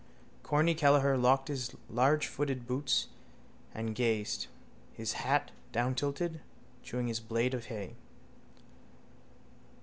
Corny Kelleher locked his largefooted boots and gazed, his hat downtilted, chewing his blade of hay.